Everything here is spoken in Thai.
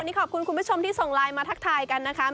นี่ขอบคุณคุณผู้ชมที่ส่งไลน์มาทักทายกันนะคะ